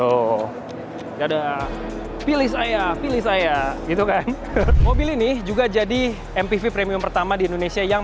loh dada pilih saya pilih saya gitu kan mobil ini juga jadi mpv premium pertama di indonesia yang